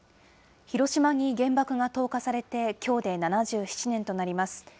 広島に原爆が投下されて、きょうで７７年となります。